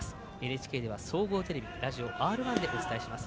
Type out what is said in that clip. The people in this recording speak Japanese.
ＮＨＫでは総合、ラジオＲ１でお伝えします。